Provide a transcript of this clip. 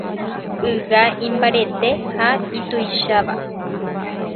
Yga imbarete ha ituicháva.